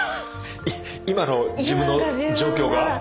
今の自分の状況が？